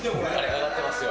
かかってますよ。